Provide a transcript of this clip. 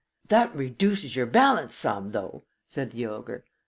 "That reduces your balance some, though," said the ogre.